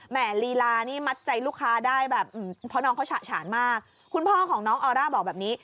ลีลานี่มัดใจลูกค้าได้แบบเพราะน้องเขาฉะฉานมากคุณพ่อของน้องออร่าบอกแบบนี้